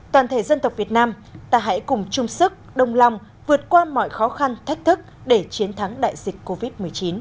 toàn thể dân tộc việt nam ta hãy cùng chung sức đồng lòng vượt qua mọi khó khăn thách thức để chiến thắng đại dịch covid một mươi chín